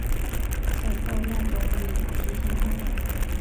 在豹亚种里体型偏小。